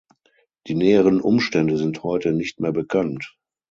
Die näheren Umstände sind heute nicht mehr bekannt.